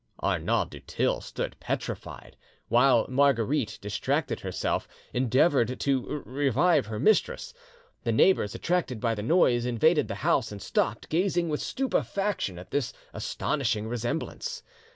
Arnauld du Thill stood petrified. While Marguerite, distracted herself, endeavoured to revive her mistress, the neighbours, attracted by the noise, invaded the house, and stopped, gazing with stupefaction at this astonishing resemblance.